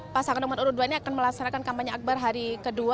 pasangan nomor urut dua ini akan melaksanakan kampanye akbar hari kedua